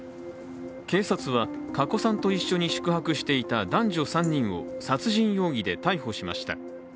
警察は加古さんと一緒に宿泊していた男女３人を殺人容疑で逮捕しました。